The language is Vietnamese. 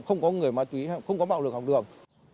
không có người ma túy không có bạo lực học đường